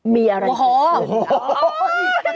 มีอะไรต่อไป